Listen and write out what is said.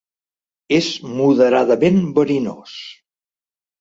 És moderadament verinós.